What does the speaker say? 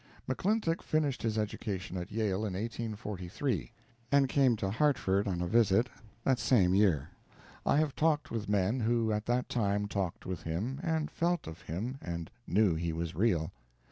McClintock finished his education at Yale in 1843, and came to Hartford on a visit that same year. I have talked with men who at that time talked with him, and felt of him, and knew he was real.